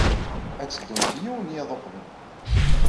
Ad teddumt yiwen n yiḍ uqbel.